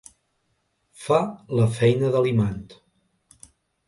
Fa la feina de l'imant.